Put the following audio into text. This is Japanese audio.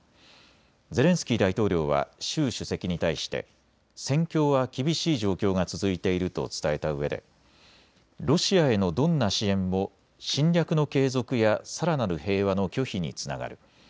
ゼレンスキー大統領は習主席に対して戦況は厳しい状況が続いていると伝えたうえでロシアへのどんな支援も侵略の継続やさらなる平和の拒否につながる。